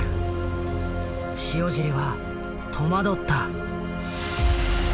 塩尻は戸惑った。